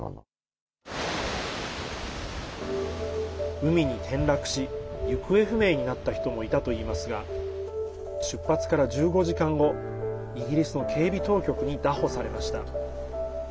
海に転落し行方不明になった人もいたといいますが出発から１５時間後イギリスの警備当局にだ捕されました。